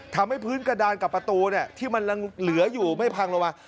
ทำให้พื้นกระดานกับประตูที่มันเหลืออยู่ไม่พังลงมา